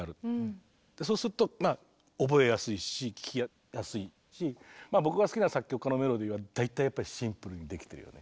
そうすると僕が好きな作曲家のメロディーは大体やっぱりシンプルにできてるよね。